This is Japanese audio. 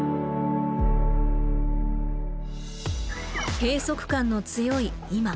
閉塞感の強い今。